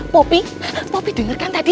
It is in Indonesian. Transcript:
popi popi dengerkan tadi